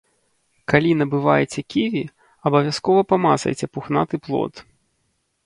Калі набываеце ківі, абавязкова памацайце пухнаты плод.